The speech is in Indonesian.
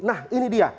nah ini dia